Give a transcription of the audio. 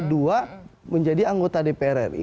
dua menjadi anggota dpr ri